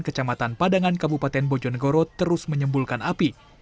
kecamatan padangan kabupaten bojonegoro terus menyembulkan api